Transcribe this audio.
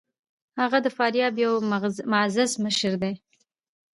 هغه د فاریاب یو معزز مشر دی.